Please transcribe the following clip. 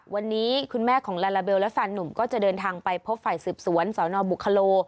วันนี้คุณแม่ของลาลาเบลและแฟนหนุ่มก็จะเดินทางไปพบฝ่ายสืบสวนสนบุคโล